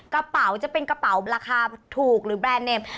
กระเป๋าจะเป็นกระเป๋าราคาถูกหรือแบรนดเนม